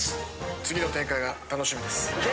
次の展開が楽しみです。